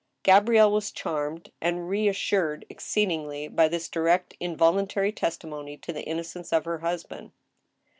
Gabrielle was charmed, and reassured exceedingly, by this direct involuntary testimony to the innocence of her husband.